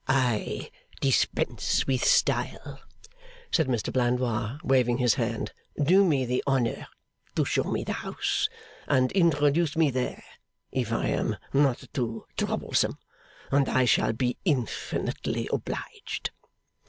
'I dispense with style!' said Mr Blandois, waving his hand. 'Do me the honour to show me the house, and introduce me there (if I am not too troublesome), and I shall be infinitely obliged.